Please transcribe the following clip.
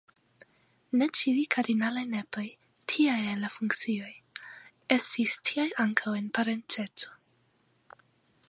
Ne ĉiuj kardinaloj nepoj, tiaj en la funkcioj, estis tiaj ankaŭ en parenceco.